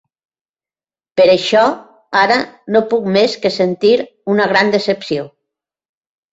Per això, ara no puc més que sentir una gran decepció.